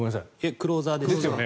クローザーです。